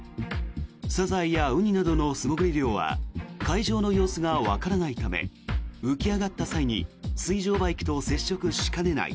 サザエやウニなどの素潜り漁は海上の様子がわからないため浮き上がった際に水上バイクと接触しかねない。